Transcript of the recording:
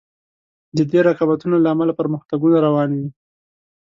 د دې رقابتونو له امله پرمختګونه روان وي.